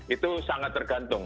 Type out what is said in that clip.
itu sangat tergantung